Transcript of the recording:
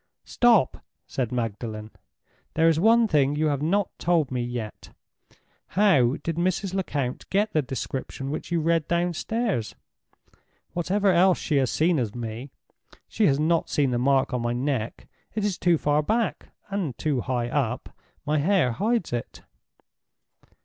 "Stop!" said Magdalen. "There is one thing you have not told me yet. How did Mrs. Lecount get the description which you read downstairs? Whatever else she has seen of me, she has not seen the mark on my neck—it is too far back, and too high up; my hair hides it."